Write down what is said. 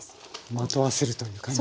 まとわせるという感じですかね。